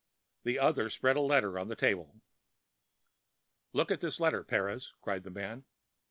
The other spread a letter on the table. "Look at this letter, Perez," cried the man.